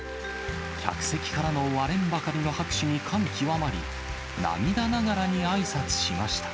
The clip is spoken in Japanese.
客席からの割れんばかりの拍手に感極まり、涙ながらにあいさつしました。